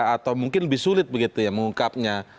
atau mungkin lebih sulit mengungkapnya